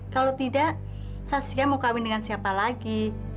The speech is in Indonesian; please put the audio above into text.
kalau tidak sasia mau kawin dengan siapa lagi